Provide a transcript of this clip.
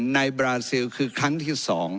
บราซิลคือครั้งที่๒